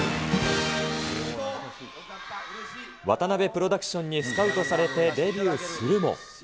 渡辺プロダクションにスカウトされてデビューするも。